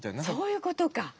そういうことか。